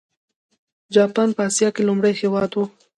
جاپان په اسیا کې لومړنی هېواد و.